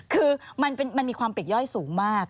คือมันมีความปิดย่อยสูงมาก